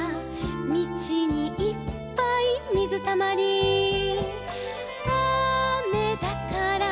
「みちにいっぱいみずたまり」「あめだから」